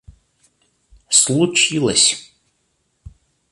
случилось